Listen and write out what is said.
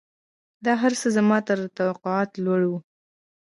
دا هرڅه زما تر توقعاتو لوړ وو.